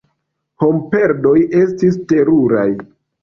Homperdoj estis teruraj.